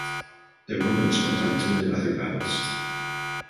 The Romans went on to win other battles.